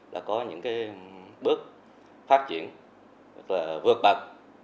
đã có những bước phát triển vượt bật